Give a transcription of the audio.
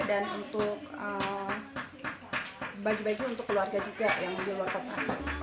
dan untuk baju baju untuk keluarga juga yang beli luar kota